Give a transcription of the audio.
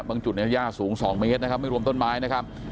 จุดนี้ย่าสูง๒เมตรนะครับไม่รวมต้นไม้นะครับ